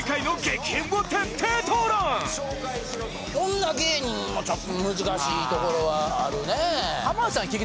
女芸人もちょっと難しいところはあるね。